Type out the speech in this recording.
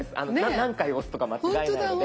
何回押すとか間違えないので。